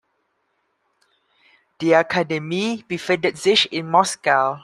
Die Akademie befindet sich in Moskau.